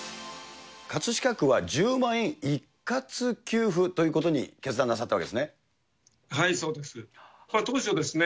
葛飾区は１０万円一括給付ということに決断なさったわけですね。